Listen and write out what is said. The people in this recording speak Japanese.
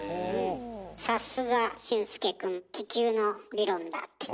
さすが俊介くん「気球の理論だ」ってね。